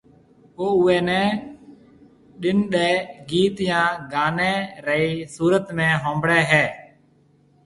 او اوئيَ نيَ ڌُن ڏيَ گيت يا گانيَ رِي صورت ۾ ھنڀڙائيَ هيَ